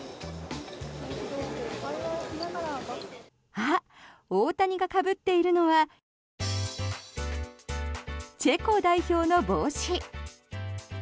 あっ、大谷がかぶっているのはチェコ代表の帽子。